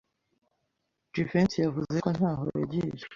Jivency yavuze ko ntaho yagiye.